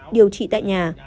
điều trị tại nhà